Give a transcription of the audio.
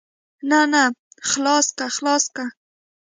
نه نه خلاصه که خلاصه که.